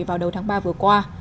vào đầu tháng ba vừa qua